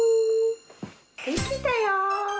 できたよ。